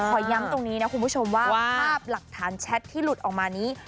ขอย้ำตรงนี้นะคุณผู้ชมว่าภาพหลักฐานแชทที่หลุดออกมานี้